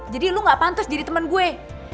jadi lu gak pantas jadi temen gue